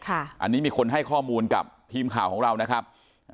อันนี้มีคนให้ข้อมูลกับทีมข่าวของเรานะครับ